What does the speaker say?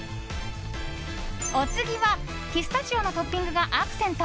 お次は、ピスタチオのトッピングがアクセント。